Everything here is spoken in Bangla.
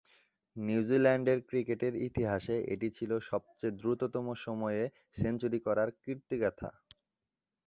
নিউজিল্যান্ডের ক্রিকেটের ইতিহাসে এটি ছিল সবচেয়ে দ্রুততম সময়ে সেঞ্চুরি করার কীর্তিগাঁথা।